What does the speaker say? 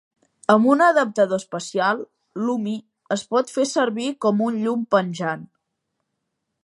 Amb un adaptador especial, "Lumi" es pot fer servir com un llum penjant.